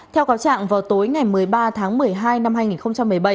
theo cáo trạng vào tối ngày một mươi ba tháng một mươi hai năm hai nghìn một mươi bảy